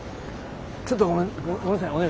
ちょっとごめんごめんなさい。